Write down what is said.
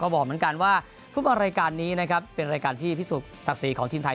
บอกเหมือนกันว่าทุกรายการนี้นะครับเป็นรายการที่พิสูจนศักดิ์ศรีของทีมไทย